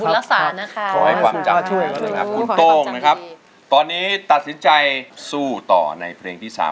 รักษานะคะขอให้ความจำคุณโต่งนะครับตอนนี้ตัดสินใจสู้ต่อในเพลงที่สาม